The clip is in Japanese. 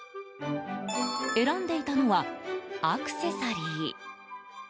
選んでいたのは、アクセサリー。